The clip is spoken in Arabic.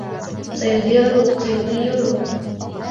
سيضيّع الوقت.